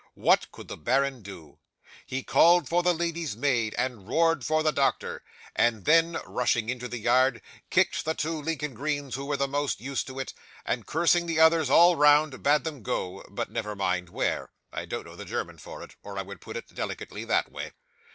'What could the baron do? He called for the lady's maid, and roared for the doctor; and then, rushing into the yard, kicked the two Lincoln greens who were the most used to it, and cursing the others all round, bade them go but never mind where. I don't know the German for it, or I would put it delicately that way.